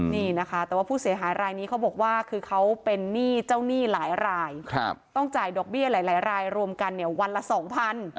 แต่ว่าผู้เสียหายรายนี้บอกว่าคือเค้าเป็นหนี้เจ้าหนี้หลายรายต้องจ่ายดอกเบี้ยหลายรายรวมกันวันละ๒๐๐๐